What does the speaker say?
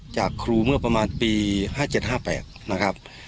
จากครูเมื่อประมาณปี๕๗๕๘นะครับ